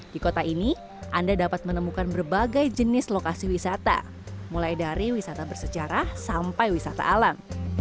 di kota ini anda dapat menemukan berbagai jenis lokasi wisata mulai dari wisata bersejarah sampai wisata alam